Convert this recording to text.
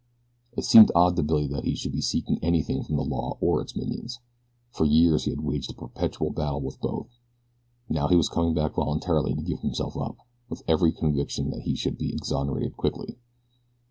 It seemed odd to Billy that he should be seeking anything from the law or its minions. For years he had waged a perpetual battle with both. Now he was coming back voluntarily to give himself up, with every conviction that he should be exonerated quickly.